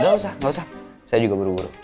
gak usah nggak usah saya juga buru buru